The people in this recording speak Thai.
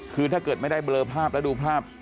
คือถ้าเกิดไม่ได้เบลอภาพแล้วดูภาพ